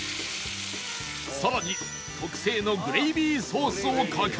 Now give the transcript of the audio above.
さらに特製のグレイビーソースをかければ